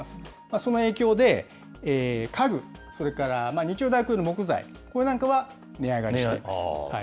その影響で、家具、それから日曜大工用の木材、これなんかは値上がりしています。